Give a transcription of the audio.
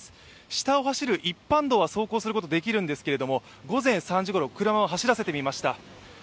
下を走る一般道は走行することができるんですけど、午前３時ごろ、車を走らせてみました。